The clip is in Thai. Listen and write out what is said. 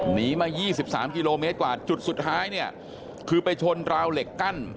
หนีมา๒๓กิโลเมตรกว่าจุดสุดท้ายเนี่ยคือไปชนราวเหล็กกั้น